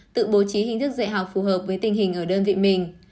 tự bố trí hình thức dạy học phù hợp với tình hình ở đơn vị mình